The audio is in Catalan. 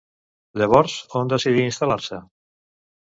Llavors, on decidí instal·lar-se?